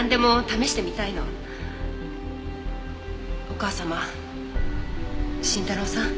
お義母様慎太郎さん